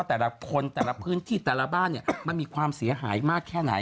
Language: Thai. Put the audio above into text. แต่ละคนแต่ละพื้นที่แต่ละบ้านเนี่ยมันมีความเสียหายมากแค่ไหน